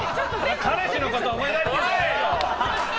彼氏のこと思い出してるんじゃないよ！